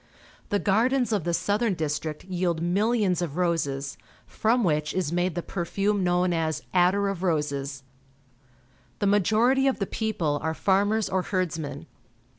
The gardens of the southern district vield millions of roses, from which is made the perfume known as attar of roses. The majority of the people are farmers or herdsmen.